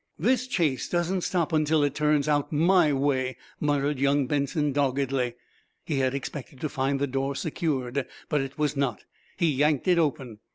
"This chase doesn't stop until it turns out my way!" muttered young Benson, doggedly. He had expected to find the door secured, but it was not. He yanked it open.